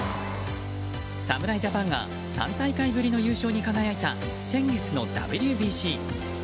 侍ジャパンが３大会ぶりの優勝に輝いた先月のＷＢＣ。